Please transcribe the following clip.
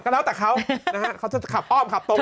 นอกต่อเขาเขาจะขับป้อมขับโต๊ง